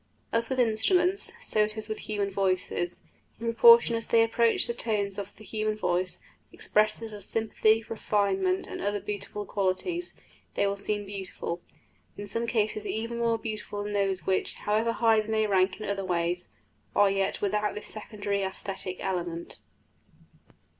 As with instruments, so it is with bird voices; in proportion as they approach the tones of the human voice, expressive of sympathy, refinement, and other beautiful qualities, they will seem beautiful in some cases even more beautiful than those which, however high they may rank in other ways, are yet without this secondary æsthetic element.